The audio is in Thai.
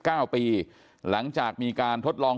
ก็คือเป็นการสร้างภูมิต้านทานหมู่ทั่วโลกด้วยค่ะ